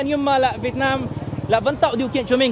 nhưng mà việt nam vẫn tạo điều kiện cho mình